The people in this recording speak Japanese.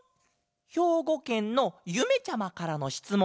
ひょうごけんのゆめちゃまからのしつもんだケロ。